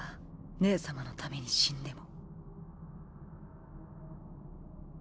姉様のために死んでも。